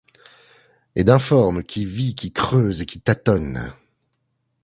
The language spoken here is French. Et d’informe, qui vit, qui creuse et qui tâtonne !